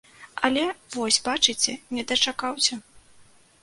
Але, вось бачыце, не дачакаўся.